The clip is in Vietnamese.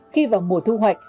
khi vào mùa thu hoạch